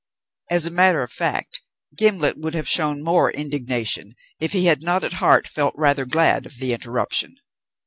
As a matter of fact Gimblet would have shown more indignation if he had not at heart felt rather glad of the interruption.